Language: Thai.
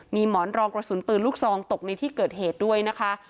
มีหมอนรองกระสุนปืนลูกซองตกในที่เกิดเหตุด้วยนะคะ